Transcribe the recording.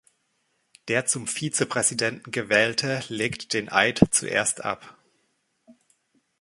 Der zum Vizepräsidenten Gewählte legt den Eid zuerst ab.